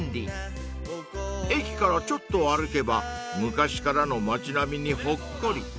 ［駅からちょっと歩けば昔からの街並みにほっこり］